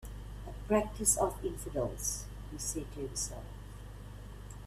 "A practice of infidels," he said to himself.